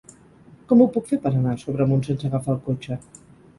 Com ho puc fer per anar a Sobremunt sense agafar el cotxe?